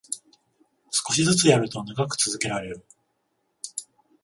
少しずつやると長く続けられる